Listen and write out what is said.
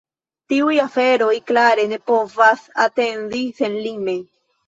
Tiuj aferoj klare ne povas atendi senlime.